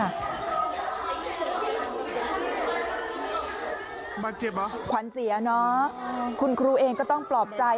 บาดเจ็บเหรอขวัญเสียเนอะคุณครูเองก็ต้องปลอบใจ